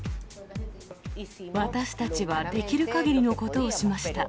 私たちはできるかぎりのことをしました。